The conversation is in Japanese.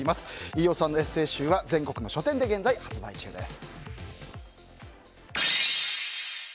飯尾さんのエッセー集は全国の書店で現在、発売中です。